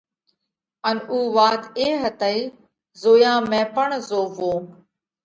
ان اُو وات اي هتئِي: “زويا ۾ پڻ زووَو۔”